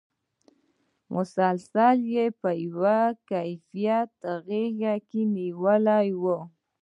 مسلسل یې په یوه کیفیت غېږ کې نېولی وم.